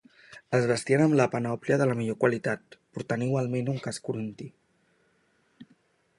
Es vestien amb la panòplia de la millor qualitat, portant igualment un casc corinti.